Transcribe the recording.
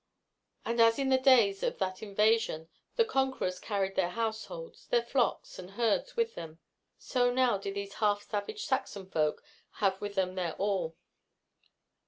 And as in the days of that invasion the conquerors carried their households, their flocks and herds with them, so now did these half savage Saxon folk have with them their all.